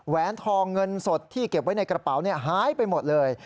แหนทองเงินสดที่เก็บไว้ในกระเป๋าหายไปหมดเลย